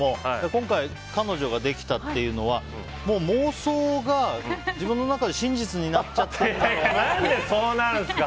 今回、彼女ができたというのはもう、妄想が自分の中で真実になっちゃってるとか。